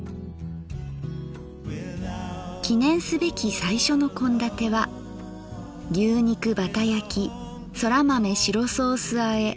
記念すべき最初の献立は牛肉バタ焼きそら豆白ソースあえ